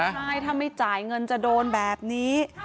ใช่ถ้าไม่จ่ายเงินจะโดนแบบนี้